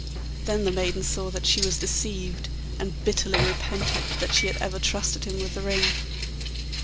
Then the maiden saw she was deceived, and bitterly repented that she had ever trusted him with the ring.